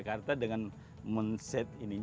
jadi kita bisa menggunakan alat tanam menggunakan robotik